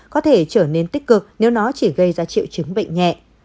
có thể trở nên tích cực nếu nó chỉ gây ra triệu chứng bệnh nhẹ